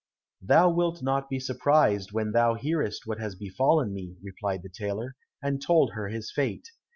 "Thou wilt not be surprised when thou hearest what has befallen me," replied the tailor, and told her his fate.